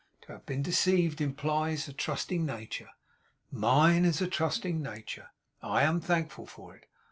To have been deceived implies a trusting nature. Mine is a trusting nature. I am thankful for it.